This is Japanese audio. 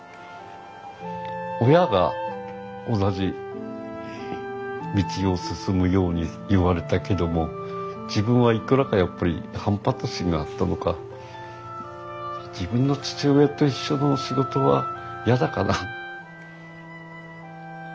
親が同じ道を進むように言われたけども自分はいくらかやっぱり反発心があったのか自分の父親と一緒の仕事は嫌だかな。